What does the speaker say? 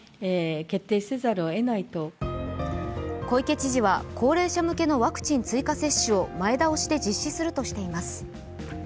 小池知事は高齢者向けのワクチン追加接種を前倒しで実施するとしています。